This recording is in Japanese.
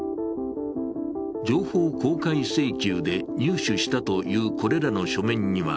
情報公開請求で入手したというこれらの書面には